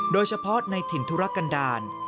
โดยเฉพาะในถิ่นธุรกันดาล